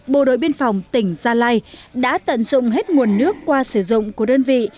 bộ đội biên phòng tỉnh gia lai đã tận dụng hết nguồn nước qua sử dụng của đơn vị